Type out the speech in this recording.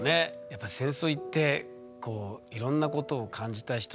やっぱ戦争行っていろんなことを感じた人の言葉はね